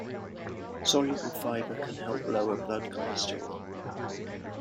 Soluble fiber can help lower blood cholesterol.